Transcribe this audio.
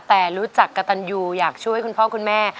แต่รู้จักกับตันยูอยากช่วยคุณพ่อคุณแม่